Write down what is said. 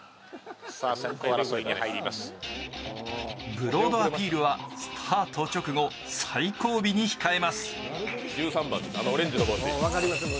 ブロードアピールはスタート直後、最後尾に控えます。